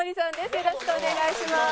よろしくお願いします。